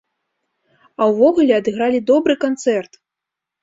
А ўвогуле адыгралі добры канцэрт!